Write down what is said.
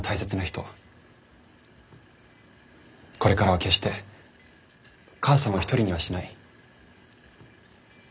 これからは決して母さんを一人にはしない。